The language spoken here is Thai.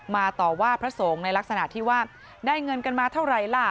ต่อว่าพระสงฆ์ในลักษณะที่ว่าได้เงินกันมาเท่าไหร่ล่ะ